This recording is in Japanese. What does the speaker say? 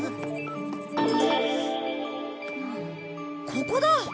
ここだ。